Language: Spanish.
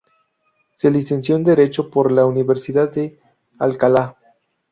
Se licenció en Derecho por la Universidad de Alcalá.